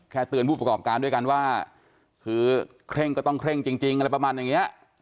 เตือนผู้ประกอบการด้วยกันว่าคือเคร่งก็ต้องเคร่งจริงอะไรประมาณอย่างนี้